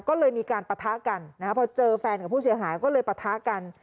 ก็เลยมีการปะทะกันนะครับพอเจอแฟนกับผู้เสียหายก็เลยปะทะกัน